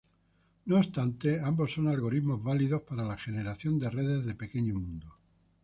No obstante ambos son algoritmos válidos para la generación de redes de pequeño mundo.